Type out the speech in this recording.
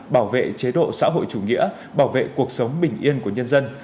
bảo vệ chế độ xã hội chủ nghĩa bảo vệ cuộc sống bình yên của nhân dân